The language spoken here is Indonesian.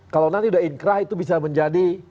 kalau nanti udah inkrah itu bisa menjadi